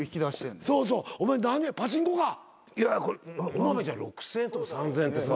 小まめじゃん６，０００円とか３，０００円ってさ。